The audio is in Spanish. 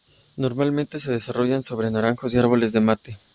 Normalmente se desarrollan sobre naranjos y árboles del mate.